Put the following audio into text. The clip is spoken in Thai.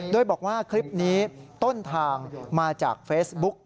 โดยบอกว่าคลิปนี้ต้นทางมาจากเฟซบุ๊ก